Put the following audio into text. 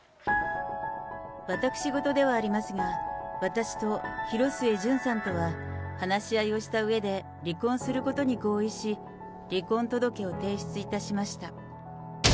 私事ではありますが、私と広末順さんとは、話し合いをしたうえで離婚することに合意し、離婚届を提出いたしました。